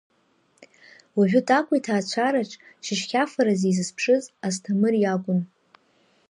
Уажәы Такәа иҭаацәараҿ шьыжьхьафараз изызԥшыз Асҭамыр иакәын.